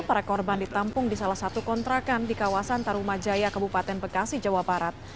para korban ditampung di salah satu kontrakan di kawasan tarumajaya kabupaten bekasi jawa barat